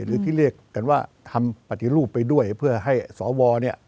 หรือที่เรียกกันว่าทำปฏิรูปไปด้วยเพื่อให้สวเนี่ย